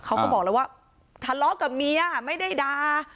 เขาบอกแล้วว่าทะเลาะกับเมียไม่ได้ด่า